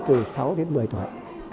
từ sáu đến một mươi tuổi